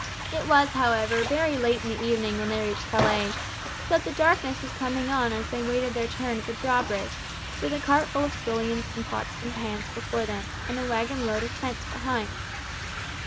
It was, however, very late in the evening when they reached Calais, so that darkness was coming on as they waited their turn at the drawbridge, with a cart full of scullions and pots and pans before them, and a waggon load of tents behind.